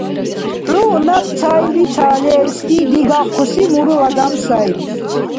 XӀy наб цайли ца левси, дигахъуси мурул адам сайри...